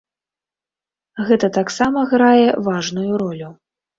Гэта таксама грае важную ролю.